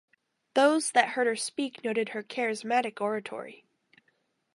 Those that heard her speak noted her charismatic oratory.